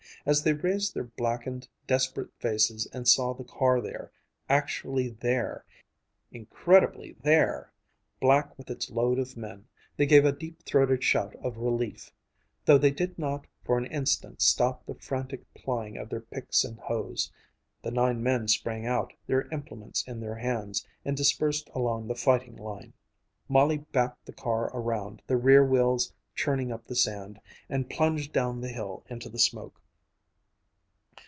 As they raised their blackened, desperate faces and saw the car there, actually there, incredibly there, black with its load of men, they gave a deep throated shout of relief, though they did not for an instant stop the frantic plying of their picks and hoes. The nine men sprang out, their implements in their hands, and dispersed along the fighting line. Molly backed the car around, the rear wheels churning up the sand, and plunged down the hill into the smoke.